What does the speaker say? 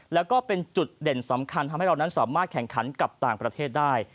แล้วก็เป็นจุดเด่นสำคัญทำให้เรานั้นสามารถแข่งขันกับต่างประเทศได้